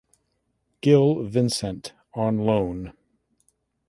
Gil Vicente on loan.